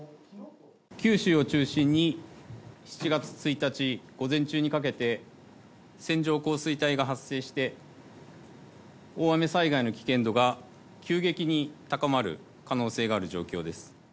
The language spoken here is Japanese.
九州を中心に、７月１日午前中にかけて、線状降水帯が発生して、大雨災害の危険度が急激に高まる可能性がある状況です。